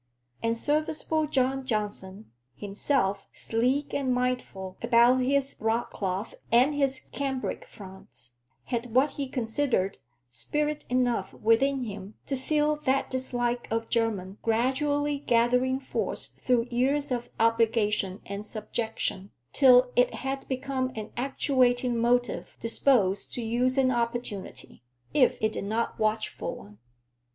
And serviceable John Johnson, himself sleek, and mindful about his broadcloth and his cambric fronts, had what he considered "spirit" enough within him to feel that dislike of Jermyn gradually gathering force through years of obligation and subjection, till it had become an actuating motive disposed to use an opportunity; if it did not watch for one.